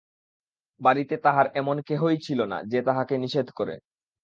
বাড়িতে তাহার এমন কেহই ছিল না যে তাহাকে নিষেধ করে।